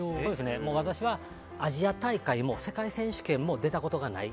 私はアジア大会も世界選手権も出たことがない。